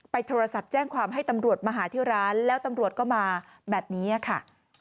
โทรศัพท์แจ้งความให้ตำรวจมาหาที่ร้านแล้วตำรวจก็มาแบบนี้ค่ะ